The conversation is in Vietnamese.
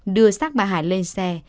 đưa xác bà hải lên xe